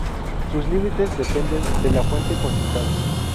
Sus límites dependen de la fuente consultada.